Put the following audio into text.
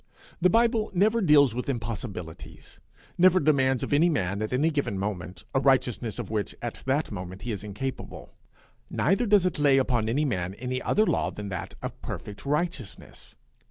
The Bible never deals with impossibilities, never demands of any man at any given moment a righteousness of which at that moment he is incapable; neither does it lay upon any man any other law than that of perfect righteousness.